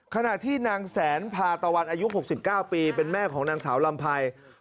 ขณะที่นางแสนพาตะวันอายุ๖๙ปีเป็นแม่ของนางสาวลำไพร